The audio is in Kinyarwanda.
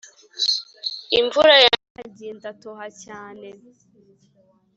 Imvura yanyagiye ndatoha cyane